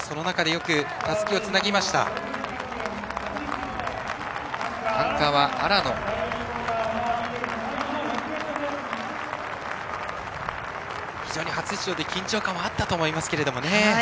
初出場で非常に緊張感はあったと思いますけどね。